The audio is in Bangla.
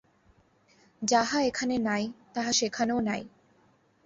যাহা এখানে নাই, তাহা সেখানেও নাই।